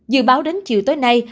dự báo đến chiều tối nay